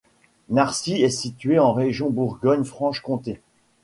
Narcy est situé en région Bourgogne-Franche-Comté.